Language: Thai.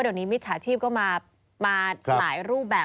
เดี๋ยวนี้มิจฉาชีพก็มาหลายรูปแบบ